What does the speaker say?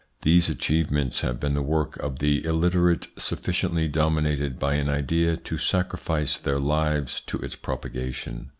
These achievements have been the work of the illiterate sufficiently dominated by an idea to sacrifice their lives to its propagation.